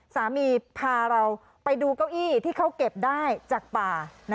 พาเราไปดูเก้าอี้ที่เขาเก็บได้จากป่า